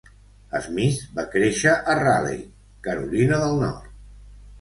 Smith va créixer a Raleigh (Carolina del Nord).